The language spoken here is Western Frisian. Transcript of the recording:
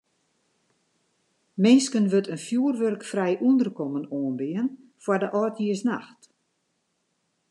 Minsken wurdt in fjoerwurkfrij ûnderkommen oanbean foar de âldjiersnacht.